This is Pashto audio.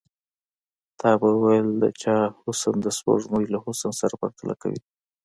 تا به ويل د چا حسن د سپوږمۍ له حسن سره پرتله کوي.